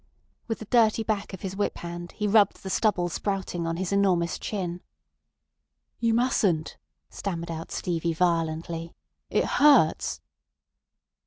With the dirty back of his whip hand he rubbed the stubble sprouting on his enormous chin. "You mustn't," stammered out Stevie violently. "It hurts."